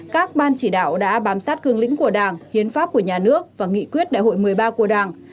các ban chỉ đạo đã bám sát cương lĩnh của đảng hiến pháp của nhà nước và nghị quyết đại hội một mươi ba của đảng